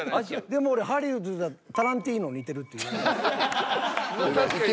でも俺ハリウッドでタランティーノ似てるって言われます。